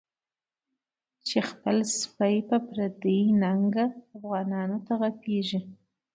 چی خپل سپی په پردی ننګه، افغانانو ته غپیږی